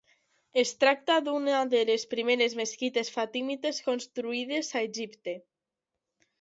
Es tracta d'una de les primeres mesquites fatimites construïdes a Egipte.